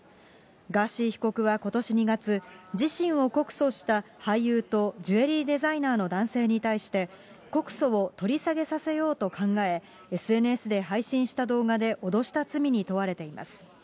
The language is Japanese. ガーシー被告はことし２月、自身を告訴した俳優とジュエリーデザイナーの男性に対して、告訴を取り下げさせようと考え、ＳＮＳで配信した動画で脅した罪に問われています。